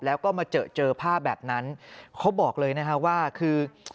แล้วก็มาเจอเจอภาพแบบนั้นเขาบอกเลยนะฮะว่าคือ